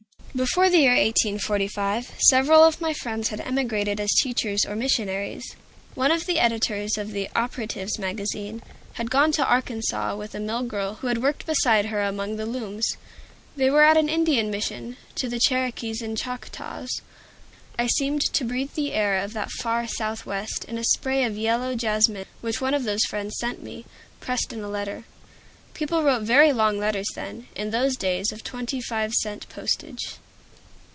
Before the year 1845, several of my friends had emigrated as teachers or missionaries. One of the editors of the "Operatives' Magazine" had gone to Arkansas with a mill girl who had worked beside her among the looms. They were at an Indian mission to the Cherokees and Choctaws. I seemed to breathe the air of that far Southwest, in a spray of yellow jessamine which one of those friends sent me, pressed in a letter. People wrote very long letters then, in those days of twenty five cent postage.